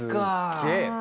すげえ！